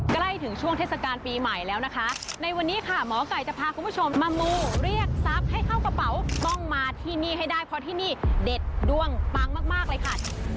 ใกล้ถึงช่วงเทศกาลปีใหม่แล้วนะคะในวันนี้ค่ะหมอไก่จะพาคุณผู้ชมมามูเรียกทรัพย์ให้เข้ากระเป๋าต้องมาที่นี่ให้ได้เพราะที่นี่เด็ดด้วงปังมากเลยค่ะ